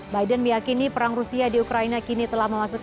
biden meyakini perang rusia di ukraina kini telah memasuki